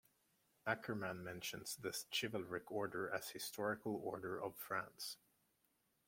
Ackermann mentions this chivalric order as historical order of France.